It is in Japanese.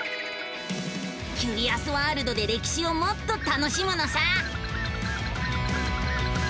キュリアスワールドで歴史をもっと楽しむのさ！